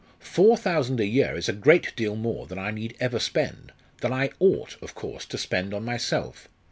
Four thousand a year is a great deal more than I need ever spend than I ought, of course, to spend on myself.